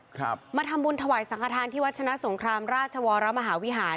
ครับมาทำบุญถวายสังขทานที่วัดชนะสงครามราชวรมหาวิหาร